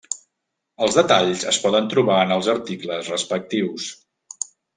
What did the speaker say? Els detalls es poden trobar en els articles respectius.